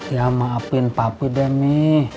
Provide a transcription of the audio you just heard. ya maafin papi deh nih